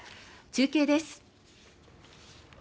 中継です。